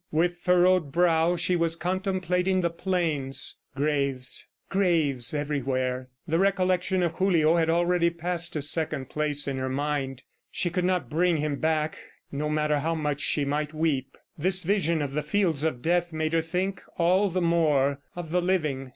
With furrowed brow, she was contemplating the plain. Graves ... graves everywhere! The recollection of Julio had already passed to second place in her mind. She could not bring him back, no matter how much she might weep. This vision of the fields of death made her think all the more of the living.